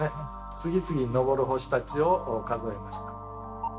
次々昇る星たちを数えました。